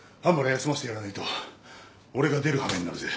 休ませてやらねえと俺が出る羽目になるぜ。